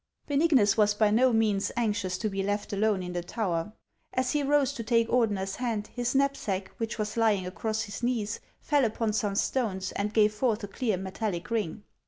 Benignus was by no means anxious to be left alone in the tower. As he rose to take Ordener's hand, his knap sack, which was lying across his knees, fell upon some stones, and gave forth a clear metallic ring.